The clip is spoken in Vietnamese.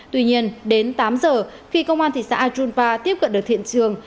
tuy nhiên đến tám giờ khi công an thị xã ajunpa tiếp cận được thiện trường